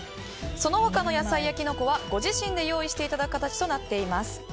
その他の野菜やキノコはご自身で用意していただく形となっています。